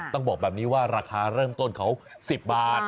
ต้องบอกแบบนี้ว่าราคาเริ่มต้นเขา๑๐บาท